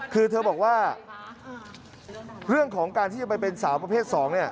คือเธอบอกว่าเรื่องของการที่จะไปเป็นสาวประเภท๒